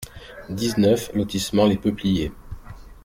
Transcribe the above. dix-neuf lotissement Les Peupliers